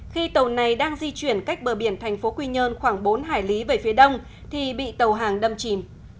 khi tàu này đang di chuyển cách bờ biển thành phố quy nhơn khoảng bốn hải lý về phía đông thì bị tàu hàng đâm chìm